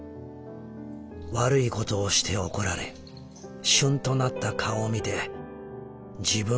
悪いことをして怒られしゅんとなった顔を見て自分ごとのように心配になる。